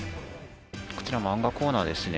こちら漫画コーナーですね。